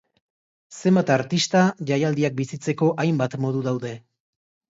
Zenbat artista, jaialdiak bizitzeko hainbat modu daude.